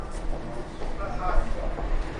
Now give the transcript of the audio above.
ประชาธิปก